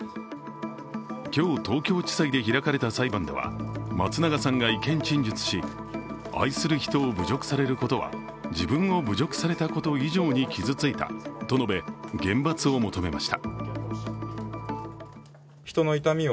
今日、東京地裁で開かれた裁判では松永さんが意見陳述し愛する人を侮辱されることは自分を侮辱された以上に傷ついたと述べ厳罰を求めました。